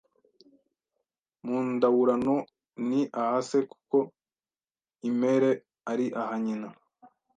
Mu ndaurano ni aha se kuko imere ari aha nyina